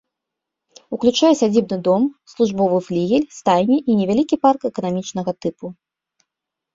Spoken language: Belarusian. Уключае сядзібны дом, службовы флігель, стайні і невялікі парк эканамічнага тыпу.